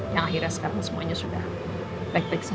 yang akhirnya sekarang semuanya sudah baik baik saja